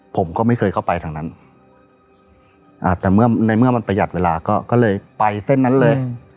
ผมก็ไม่เคยเข้าไปทางนั้นแต่เมื่อในเมื่อมันประหยัดเวลาก็เลยไปเส้นนั้นเลย